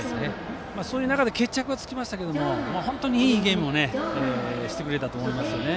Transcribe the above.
そういう中で決着はつきましたが本当にいいゲームをしてくれたと思いますよね。